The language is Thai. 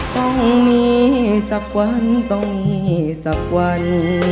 ต้องมีสักวันต้องมีสักวัน